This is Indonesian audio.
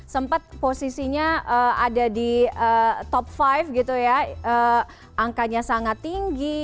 sempat posisinya ada di top lima gitu ya angkanya sangat tinggi